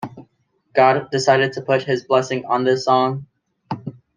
God decided to put his blessing on this song.